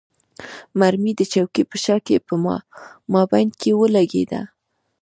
مرمۍ د چوکۍ په شا کې په مابین کې ولګېده.